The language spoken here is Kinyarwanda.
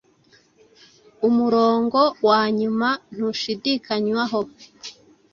Umurongo wanyuma ntushidikanywaho